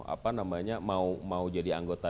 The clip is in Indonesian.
apa namanya mau jadi anggota